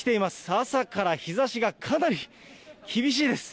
朝から日ざしがかなり厳しいです。